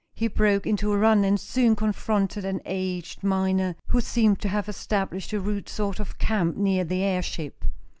He broke into a run, and soon confronted an aged miner, who seemed to have established a rude sort of camp near the airship.